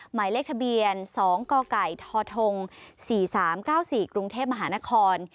หมายเลขทะเบียน๒กกทท๔๓๙๔กรุงเทพมหานคร